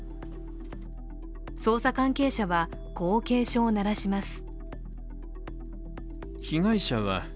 捜査関係者は、こう警鐘を鳴らします。